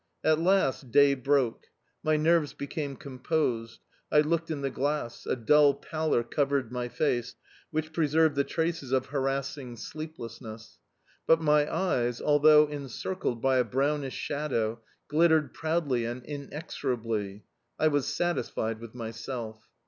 At last day broke. My nerves became composed. I looked in the glass: a dull pallor covered my face, which preserved the traces of harassing sleeplessness; but my eyes, although encircled by a brownish shadow, glittered proudly and inexorably. I was satisfied with myself.